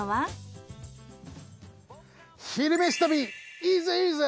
「昼めし旅」いいぜいいぜ！